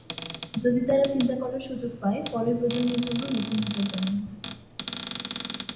যদি তারা চিন্তা করার সুযোগ পায়, পরের প্রজন্মের জন্য নতুন নেতার জন্ম হবে।